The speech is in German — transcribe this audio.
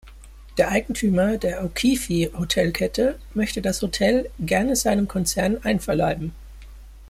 Der Eigentümer der O'Keefe-Hotelkette möchte das Hotel gerne seinem Konzern einverleiben.